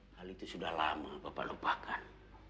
hal itu sudah lama bapak lupakan